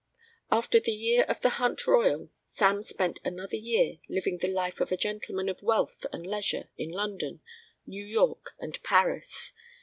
After the year of the hunt royal Sam spent another year living the life of a gentleman of wealth and leisure in London, New York, and Paris.